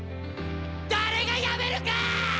誰がやめるかあ！